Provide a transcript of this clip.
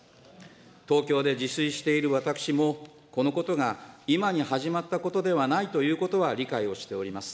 東京で自炊している私も、このことが、今に始まったことではないということは理解をしております。